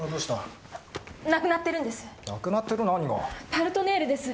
「パルトネール」です。